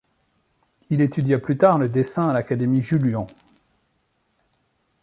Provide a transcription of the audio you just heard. Il étudia plus tard le dessin à l'académie Julian.